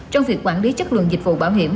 trong việc quản lý chất lượng dịch vụ bảo hiểm